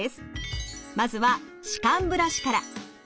まずは歯間ブラシから。